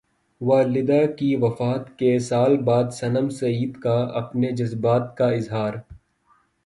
والدہ کی وفات کے سال بعد صنم سعید کا اپنے جذبات کا اظہار